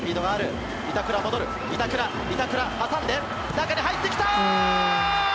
中に入ってきた！